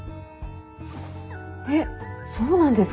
えっそうなんですか。